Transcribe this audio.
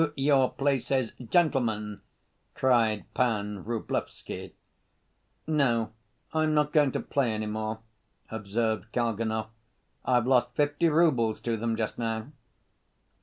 "To your places, gentlemen," cried Pan Vrublevsky. "No, I'm not going to play any more," observed Kalganov, "I've lost fifty roubles to them just now."